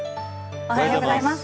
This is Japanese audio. おはようございます。